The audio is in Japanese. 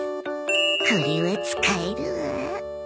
これは使えるわ。